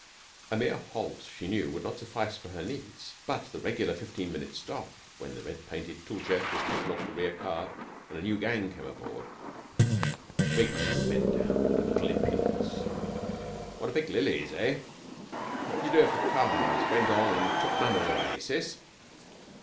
A mere halt she knew would not suffice for her needs; but the regular fifteen minute stop, when the red painted tool chest was taken off the rear car and a new gang came aboard. The big man bent down to little Impudence 'Want to pick lilies, eh? What would you do if the cars went on and took mama away, Sis?'